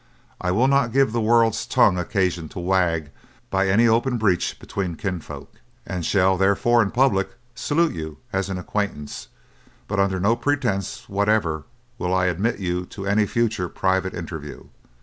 I will not give the world's tongue occasion to wag by any open breach between kinsfolk, and shall therefore in public salute you as an acquaintance, but under no pretence whatever will I admit you to any future private interview.